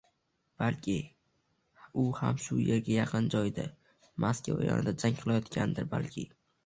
Balki u ham shu erga yaqin joyda, Moskva yonida jang qilayotgandir, balki